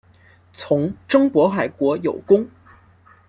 从征渤海国有功。